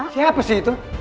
siapa sih itu